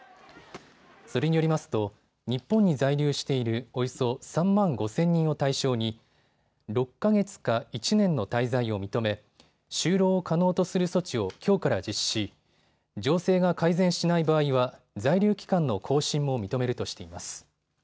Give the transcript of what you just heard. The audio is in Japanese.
それによりますと日本に在留しているおよそ３万５０００人を対象に６か月か１年の滞在を認め就労を可能とする措置をきょうから実施し情勢が改善しない場合は在留期間の更新も認めるとしています。